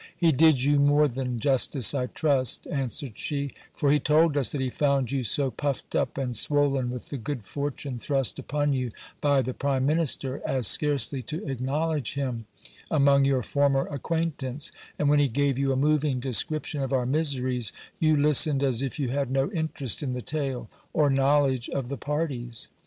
He did you more than justice, I trust, answered she ; for he told us that he found you so puffed and swollen with the good fortune thrust upon you by the prime minister, as scarce ly to acknowledge him among your former acquaintance ; and when he gave you a moving description of our miseries, you listened as if you had no interest in the tale, or knowledge of the parties.